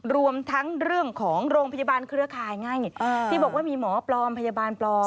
รวมทั้งเรื่องของโรงพยาบาลเครือข่ายไงที่บอกว่ามีหมอปลอมพยาบาลปลอม